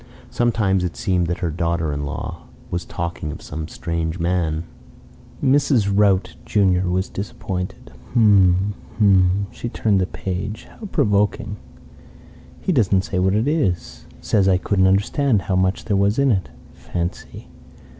Sometimes it seemed that her daughter in law was talking of some strange man. Mrs. Rout junior was disappointed. "H'm. H'm." She turned the page. "How provoking! He doesn't say what it is. Says I couldn't understand how much there was in it. Fancy!